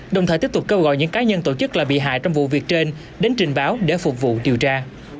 đồng thời tiếp tục kêu gọi những cá nhân tổ chức là bị hại trong vụ việc trên đến trình báo để phục vụ điều tra